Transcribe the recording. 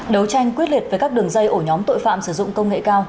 đấu tranh quyết liệt với các đường dây ổ nhóm tội phạm sử dụng công nghệ cao